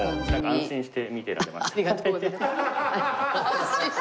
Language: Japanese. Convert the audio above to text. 「安心して」。